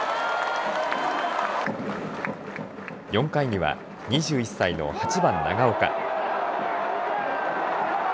４回には、２１歳の８番、長岡。